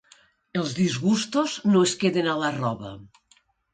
Els disgustos no es queden a la roba.